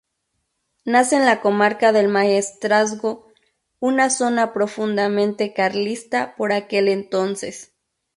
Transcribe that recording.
Nace en la comarca del Maestrazgo, una zona profundamente carlista por aquel entonces.